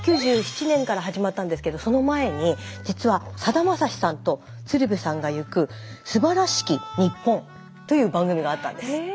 ９７年から始まったんですけどその前に実はさだまさしさんと鶴瓶さんが行く「素晴らしきニッポン」という番組があったんです。